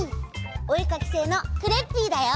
おえかきせいのクレッピーだよ！